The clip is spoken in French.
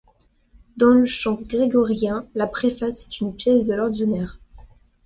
Dans le chant grégorien, la préface est une pièce de l'ordinaire.